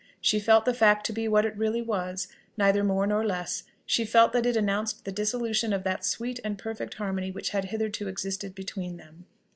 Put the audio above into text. She felt the fact to be what it really was, neither more nor less; she felt that it announced the dissolution of that sweet and perfect harmony which had hitherto existed between them.